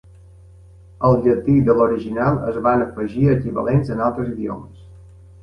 Al llatí de l'original es van afegir equivalents en altres idiomes.